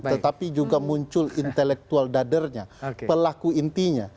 tetapi juga muncul intelektual dadernya pelaku intinya